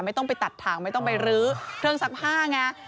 ไม่ต้องไปตัดถังไม่ต้องไปรื้อเครื่องซักผ้าไง